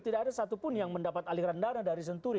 tidak ada satupun yang mendapat aliran dana dari senturi